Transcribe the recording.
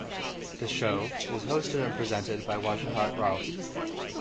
The show is hosted and presented by Wajahat Rauf.